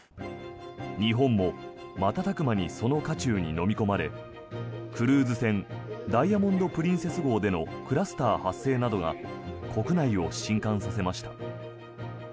日本も瞬く間にその渦中にのみ込まれクルーズ船「ダイヤモンド・プリンセス号」でのクラスター発生などが国内を震かんさせました。